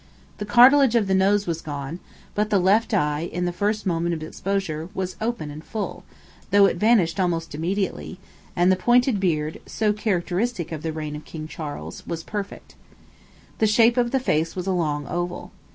The cartilage of the nose was gone, but the left eye, in the first moment of exposure, was open and full, though it vanished almost immediately; and the pointed beard, so characteristic of the reign of King Charles, was perfect The shape of the face was a long oval.